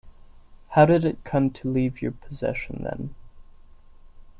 How did it come to leave your possession then?